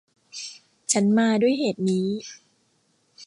ฉันมาด้วยเหตุนี้